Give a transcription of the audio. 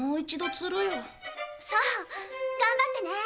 そう頑張ってね。